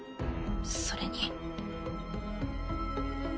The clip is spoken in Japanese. それに。